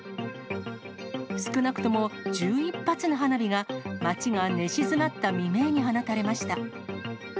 少なくとも１１発の花火が、街が寝静まった未明に放たれました。